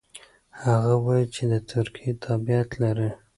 هغه وايي چې د ترکیې تابعیت لري.